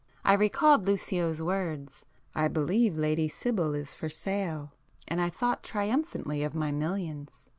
I recalled Lucio's words—"I believe Lady Sibyl is for sale"—and I thought triumphantly of my millions.